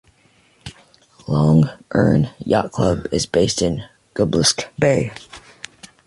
Lough Erne Yacht Club is based in Gublusk Bay.